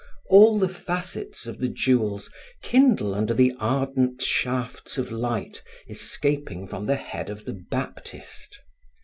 All the facets of the jewels kindle under the ardent shafts of light escaping from the head of the Baptist.